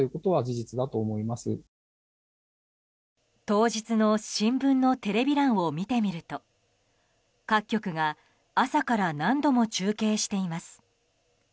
当日の新聞のテレビ欄を見てみると各局が朝から何度も中継しています。